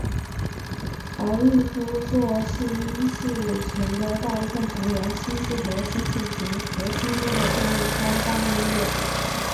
而玉夫座星系群的大部分成员星系和星系群核心间的重力相当微弱。